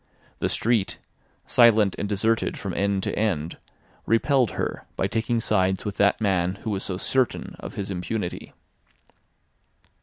The street, silent and deserted from end to end, repelled her by taking sides with that man who was so certain of his impunity.